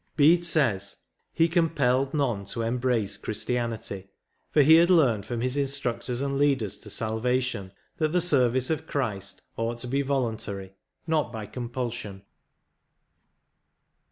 Bede says, '* he compelled none to embrace Chris tianity For he had learned from his in structors and leaders to salvation that the service of Christ ought to be voluntary, not by com pulsion."